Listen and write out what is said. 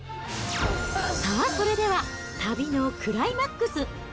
さあ、それでは旅のクライマックス。